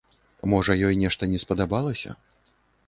Можа, ёй нешта не спадабалася?